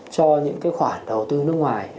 cho những khoản đầu tư nước ngoài